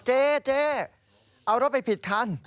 เจ๊เอารถไปผิดคัน